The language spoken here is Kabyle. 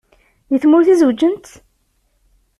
Deg tmurt i zewǧent?